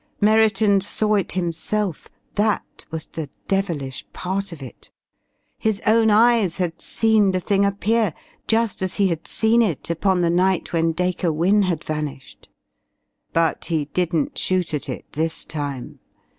Merriton saw it himself, that was the devilish part of it. His own eyes had seen the thing appear, just as he had seen it upon the night when Dacre Wynne had vanished. But he didn't shoot at it this time.